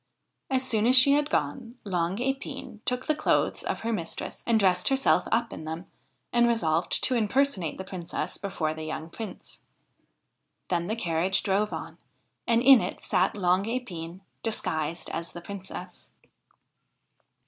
As soon as she had gone, Long Epine took the clothes of her mistress and dressed herself up in them, and resolved to impersonate the Princess before the young Prince. Then the carriage drove on, and in it sat Long Epine disguised as the Princess.